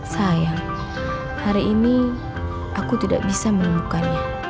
sayang hari ini aku tidak bisa menemukannya